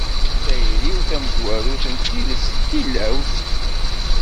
Tayri-w tamezwarut n tidet d tilawt.